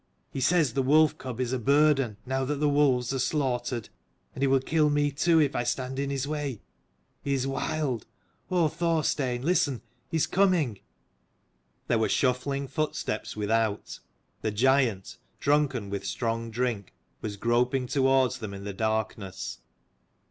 He says the wolf cub is a burden, now the wolves are slaughtered. And he will kill me too, if I stand in his way. He is wild. Oh, Thorstein, listen ! he is coming! " There were shuffling footsteps without : the giant, drunken with strong drink, was groping towards them in the darkness.